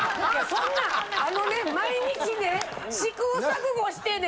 そんなんあのね毎日ね試行錯誤してね。